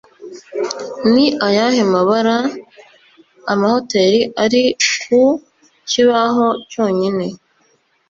Ni ayahe mabara Amahoteri ari ku kibaho cyonyine?